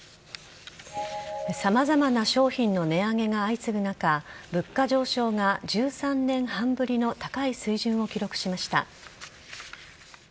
様々な商品の値上げが相次ぐ中物価上昇が１３年半ぶりの高い水準を記録しました。